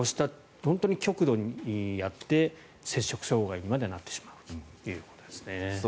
本当に極度にやって摂食障害にまでなってしまうということですね。